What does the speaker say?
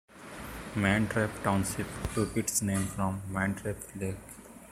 Mantrap Township took its name from Mantrap Lake.